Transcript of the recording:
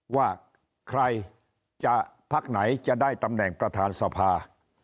ว่าใครจะพักไหนจะได้ตำแหน่งประธานสภา